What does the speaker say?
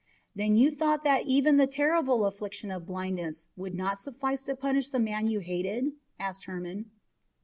"Then you thought that even the terrible affliction of blindness would not suffice to punish the man you hated?" asked Hermon.